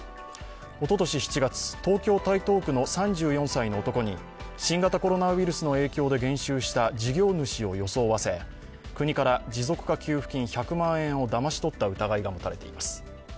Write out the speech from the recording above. おととし７月、東京・台東区の３４歳の男に新型コロナウイルスの影響で減収した事業主を装わせ、国から持続化給付金１００万円をだまし取った疑いが持たれています。